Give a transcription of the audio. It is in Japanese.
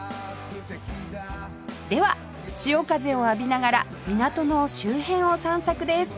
では潮風を浴びながら港の周辺を散策です